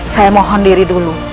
saya mohon diri dulu